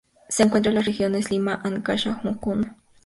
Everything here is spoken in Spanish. Se encuentra en las regiones Lima, Ancash y Huánuco.